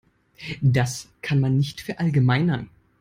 Das kann man nicht verallgemeinern.